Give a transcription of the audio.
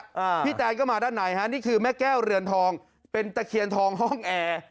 อ่าพี่แตนก็มาด้านในฮะนี่คือแม่แก้วเรือนทองเป็นตะเคียนทองห้องแอร์